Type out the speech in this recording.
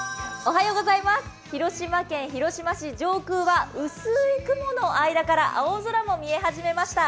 広島県広島市、上空は薄い雲の間から青空も見え始めました。